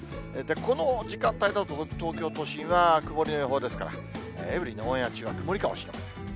この時間帯のあと、東京都心は曇りの予報ですから、エブリィのオンエア中は曇りかもしれません。